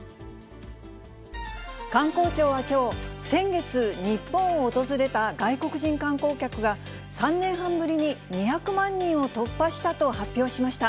観光庁はきょう、先月、日本を訪れた外国人観光客が、３年半ぶりに２００万人を突破したと発表しました。